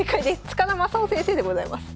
塚田正夫先生でございます。